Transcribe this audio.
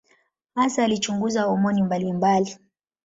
Hasa alichunguza homoni mbalimbali.